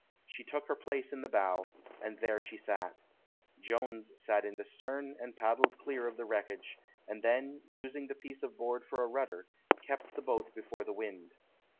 She took her place in the bow, and there she sat. Jones sat in the stern and paddled clear of the wreckage, and then, using the piece of board for a rudder, kept the boat before the wind.